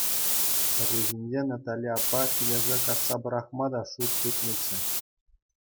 Пӗррехинче Натали аппа пилеше касса пӑрахма та шут тытнӑччӗ.